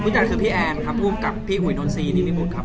จันทร์คือพี่แอนครับภูมิกับพี่อุ๋ยนนซีนิมิบุตรครับ